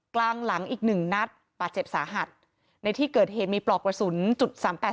กลางหลังอีกหนึ่งนัดบาดเจ็บสาหัสในที่เกิดเหตุมีปลอกกระสุนจุดสามแปด